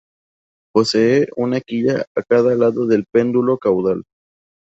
Poseen una quilla a cada lado del pedúnculo caudal.